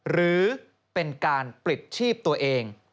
หรือเป็นการปลิดชีพตัวเอง